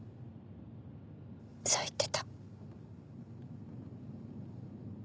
そう言ってた。